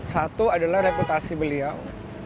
satu adalah reputasi beliau